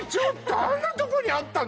あんなとこにあったの！？